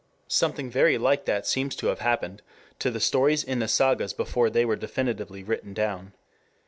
Something very like that seems to have happened to the stories in the sagas before they were definitively written down.